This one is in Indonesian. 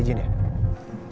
itu mama yang kasih izin ya